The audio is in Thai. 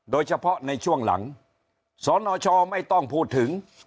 โดยเฉพาะในช่วงหลังสนชไม่ต้องพูดถึง